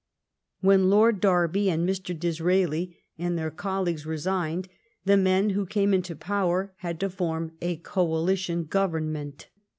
When Lord Derby and Mr. Disraeli and their colleagues resigned, the men who came into power had to form a coalition government.